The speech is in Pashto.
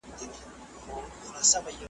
یا مي لور په نکاح ومنه خپل ځان ته .